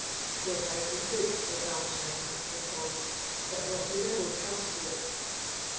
"The advice is good," said Wallenstein, after a pause, "but let the devil trust to it."